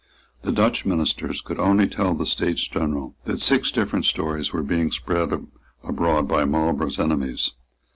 The Dutch ministers could only tell the States General that six different stories were spread abroad by Marlborough's enemies.